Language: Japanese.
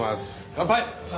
乾杯！